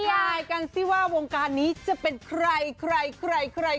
ยายกันสิว่าวงการนี้จะเป็นใครใคร